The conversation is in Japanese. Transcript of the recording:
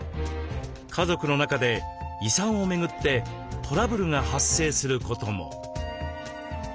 家族の中で遺産を巡ってトラブルが発生することも。